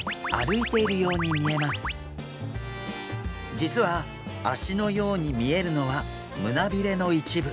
実は足のように見えるのは胸びれの一部。